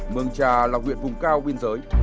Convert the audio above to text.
mường trà là huyện vùng cao biên giới